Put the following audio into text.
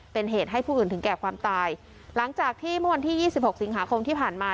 เป็นเหตุให้ผู้อื่นถึงแก่ความตายหลังจากที่เมื่อวันที่ยี่สิบหกสิงหาคมที่ผ่านมา